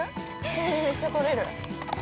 めっちゃ取れる。